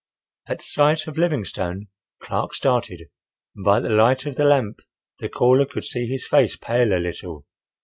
At sight of Livingstone, Clark started, and by the light of the lamp the caller could see his face pale a little.